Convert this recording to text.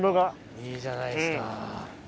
いいじゃないですか。